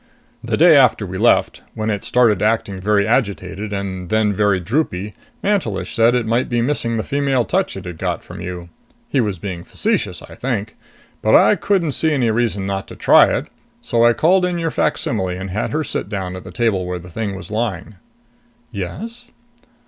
"The day after we left, when it started acting very agitated and then very droopy, Mantelish said it might be missing the female touch it had got from you. He was being facetious, I think. But I couldn't see any reason not to try it, so I called in your facsimile and had her sit down at the table where the thing was lying." "Yes?"